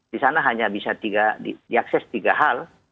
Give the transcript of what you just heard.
disana hanya bisa diakses tiga hal